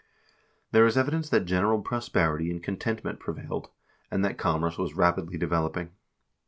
There is evidence that general prosperity and contentment prevailed, and that commerce was rapidly developing.